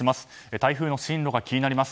台風の進路が気になります。